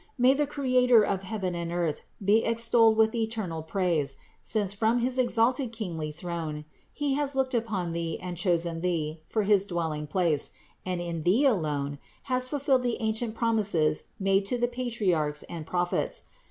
May the Creator of heaven and earth be extolled with eternal praise, since from his exalted kingly throne He has looked upon Thee and chosen Thee for his dwell ing place and in Thee alone has fulfilled the ancient promises made to the Patriarchs and Prophets.